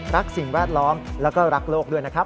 สิ่งแวดล้อมแล้วก็รักโลกด้วยนะครับ